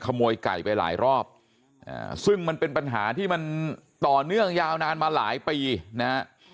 ไก่ไปหลายรอบซึ่งมันเป็นปัญหาที่มันต่อเนื่องยาวนานมาหลายปีนะฮะ